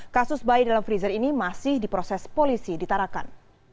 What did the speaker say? kasus bayi dalam freezer ini masih diproses polisi ditarakan